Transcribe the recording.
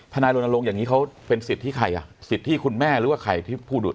นายรณรงค์อย่างนี้เขาเป็นสิทธิ์ที่ใครอ่ะสิทธิคุณแม่หรือว่าใครที่พูดดูด